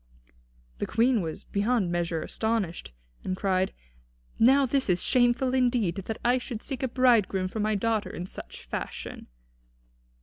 The Queen was beyond measure astonished, and cried: "Now this is shameful indeed, that I should seek a bridegroom for my daughter in such fashion."